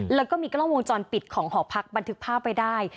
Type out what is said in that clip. แล้วก็มีกล้องวงจรปิดของหอพักบันทึกภาพไว้ได้